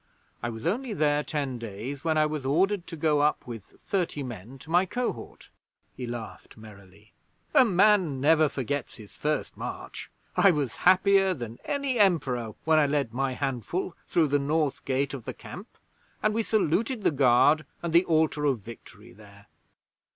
I was only there ten days when I was ordered to go up with thirty men to my Cohort.' He laughed merrily. 'A man never forgets his first march. I was happier than any Emperor when I led my handful through the North Gate of the Camp, and we saluted the guard and the Altar of Victory there.'